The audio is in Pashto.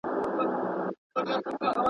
بې چرگه به هم سبا سي.